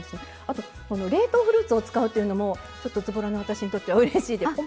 あとこの冷凍フルーツを使うというのもちょっとずぼらな私にとってはうれしいです。